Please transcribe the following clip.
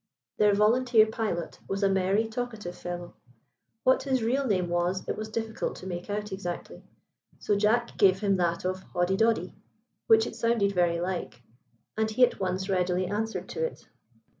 Their volunteer pilot was a merry, talkative fellow. What his real name was it was difficult to make out exactly, so Jack gave him that of Hoddidoddi, which it sounded very like, and he at once readily answered to it.